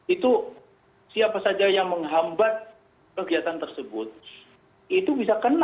itu siapa saja yang menghambat kegiatan tersebut itu bisa kena